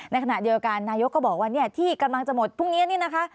ในขณะเดียวกันนายกก็บอกว่าเนี่ยที่กำลังจะหมดพรุ่งนี้นี่นะคะ